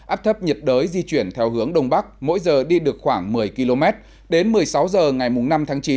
áp thấp nhiệt đới di chuyển theo hướng đông bắc mỗi giờ đi được khoảng một mươi km đến một mươi sáu h ngày năm tháng chín